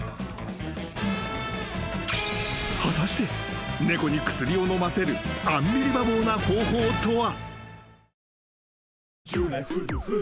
［果たして猫に薬を飲ませるアンビリバボーな方法とは］